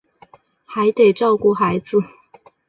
还得照顾孩子